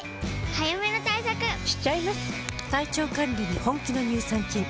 早めの対策しちゃいます。